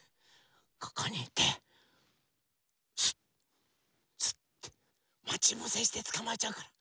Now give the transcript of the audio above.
ここにいてスッスッてまちぶせしてつかまえちゃうから。